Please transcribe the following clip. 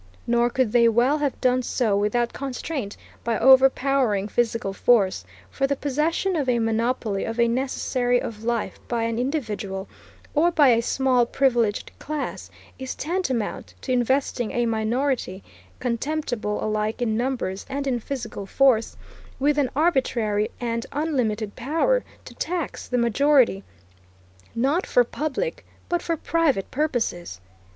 Nor could they well have done so without constraint by overpowering physical force, for the possession of a monopoly of a necessary of life by an individual, or by a small privileged class, is tantamount to investing a minority, contemptible alike in numbers and in physical force, with an arbitrary and unlimited power to tax the majority, not for public, but for private purposes.